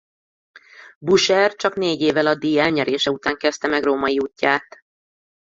Boucher csak négy évvel a díj elnyerése után kezdte meg római útját.